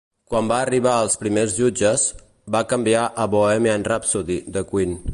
Quan va arribar als primers jutges, va canviar a "Bohemian Rhapsody" de Queen.